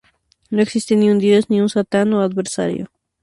No existe ni un dios ni un "satán" o adversario.